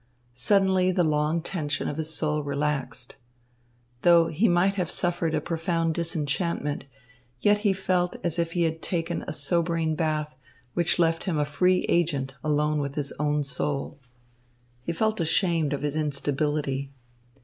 Suddenly the long tension of his soul relaxed. Though he might have suffered a profound disenchantment, yet he felt as if he had taken a sobering bath, which left him a free agent, alone with his own soul. He felt ashamed of his instability.